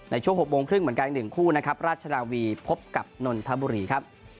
ในช่วง๖โมงครึ่งเหมือนกัน๑คู่นะครับราชนาวีพบกับนนทบุรีครับ